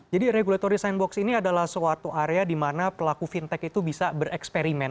jadi regulatory sandbox ini adalah suatu area di mana pelaku fintech itu bisa bereksperimen